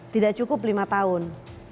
tidak cukup lima tahun